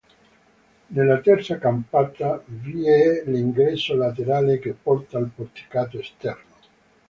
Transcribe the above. Nella terza campata vi è l'ingresso laterale che porta al porticato esterno.